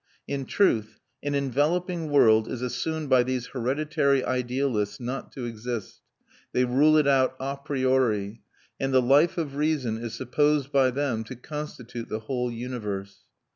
In truth, an enveloping world is assumed by these hereditary idealists not to exist; they rule it out a priori, and the life of reason is supposed by them to constitute the whole universe.